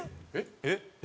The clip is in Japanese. えっ？